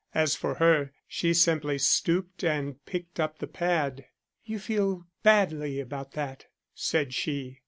As for her, she simply stooped and picked up the pad. "You feel badly about that," said she.